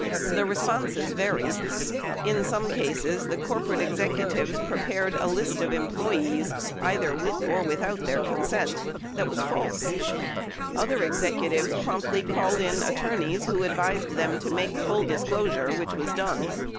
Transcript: The responses varied : In some cases the corporate executives prepared a list of em ployees — either with or without their consent — that was false ; other executives promptly called in attorneys who advised them to make full disclosure, which was done.